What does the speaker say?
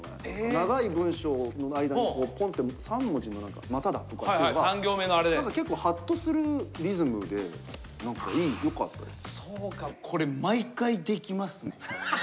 長い文章の間にぽんって、３文字の何か「まただ」とかっていうのが結構、ハッとするリズムで何かいい、よかったです。